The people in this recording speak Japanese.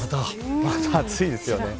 まだ暑いですよね。